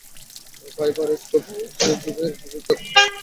ভাইবার, স্কাইপের যুগে যোগাযোগটা এখন মাত্র একটা বোতাম টেপার মধ্যে সীমাবদ্ধ।